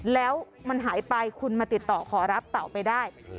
แล้วมันหายไปคุณมาติดต่อขอรับเต่าไปได้